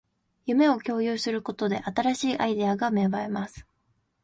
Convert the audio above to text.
夢を共有することで、新しいアイデアが芽生えます